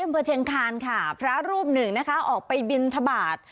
พระเชงคารค่ะพระรูปหนึ่งนะคะออกไปบินทบาท